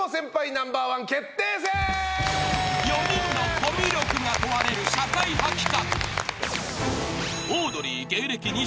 Ｎｏ．１決定戦」［４人のコミュ力が問われる社会派企画］